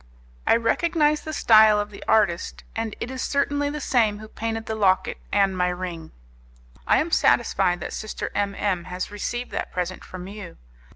I recognized the style of the artist, and it is certainly the same who painted the locket and my ring. I am satisfied that Sister M M has received that present from you.